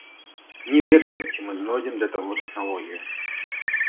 Не ведаем, ці мы знойдзем для таго тэхналогію.